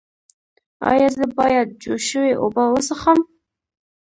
ایا زه باید جوش شوې اوبه وڅښم؟